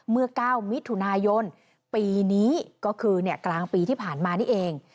เมื่อ๙มิถุนายนปีนี้ก็คือกลางปีที่ผ่านมานี่เอง